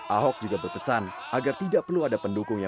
ahok juga berpesan agar tidak perlu ada pendukungnya